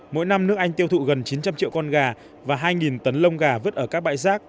mỗi năm nước anh tiêu thụ gần chín trăm linh triệu con gà và hai tấn lông gà vứt ở các bãi rác